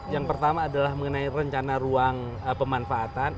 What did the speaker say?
yang pertama adalah mengenai rencana ruang pemanfaatan